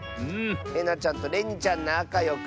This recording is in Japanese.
えなちゃんとれにちゃんなかよくしてね！